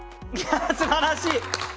すばらしい！